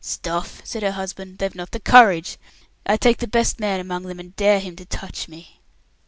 "Stuff!" said her husband. "They've not the courage. I'd take the best man among them, and dare him to touch me."